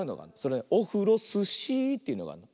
「オフロスシー」っていうのがあるの。